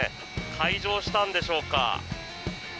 開場したんでしょうか。